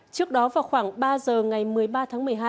trước đó vào khoảng ba giờ ngày một mươi ba tháng một mươi hai